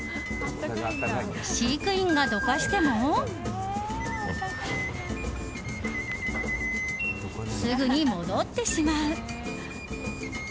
飼育員がどかしてもすぐに戻ってしまう。